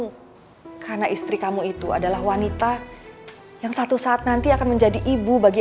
kamu karena istri kamu itu adalah wanita yang satu saat nanti akan menjadi ibu bagi